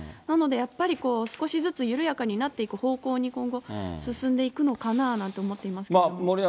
なのでやっぱり、少しずつ緩やかになっていく方向に今後、進んでいくのかなぁなんて思ってますけれども。